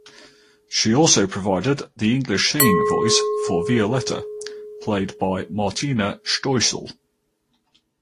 She also provided the English singing voice for Violetta (played by Martina Stoessel).